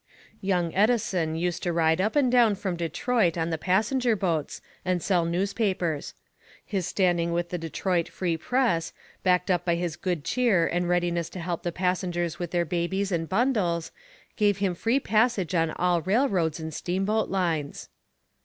Young Edison used to ride up and down from Detroit on the passenger boats and sell newspapers. His standing with the Detroit "Free Press," backed up by his good cheer and readiness to help the passengers with their babies and bundles, gave him free passage on all railroads and steamboat lines.